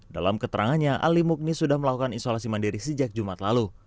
dalam keterangannya ali mukni sudah melakukan isolasi mandiri sejak jumat lalu